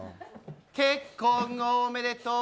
結婚おめでとう